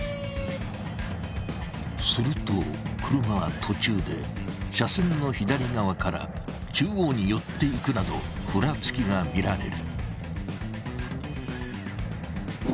すると車は途中で車線の左側から中央に寄っていくなどふらつきが見られる。